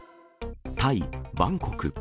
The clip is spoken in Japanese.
タイ・バンコク。